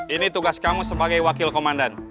ini tugas kamu sebagai wakil komandan